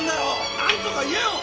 なんとか言えよ！